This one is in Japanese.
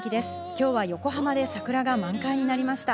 今日は横浜で桜が満開になりました。